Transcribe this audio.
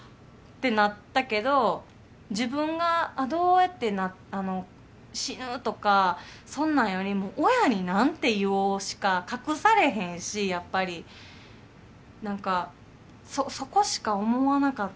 てなったけど自分がどうやって死ぬとかそんなんよりも親に何て言おうしか隠されへんしやっぱりそこしか思わなかったですね